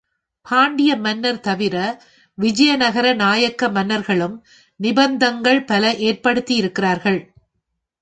பாண்டிய மன்னர் தவிர விஜயநகர நாயக்க மன்னர்களும் நிபந்தங்கள் பல ஏற்படுத்தியிருக் கிறார்கள்.